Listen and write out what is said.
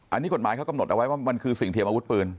อันนี้กฎหมายเขากำหนดเอาไว้ว่ามันคือสิ่งเทียมอาวุธปืน